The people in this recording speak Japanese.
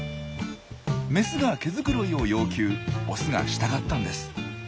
メスが毛繕いを要求オスが従ったんです。